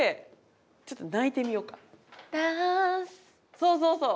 そうそうそう。